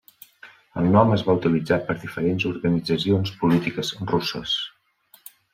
El nom es va utilitzar per diferents organitzacions polítiques russes.